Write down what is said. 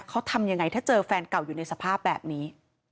เขาทำยังไงถ้าเจอแฟนเก่าอยู่ในสภาพแบบนี้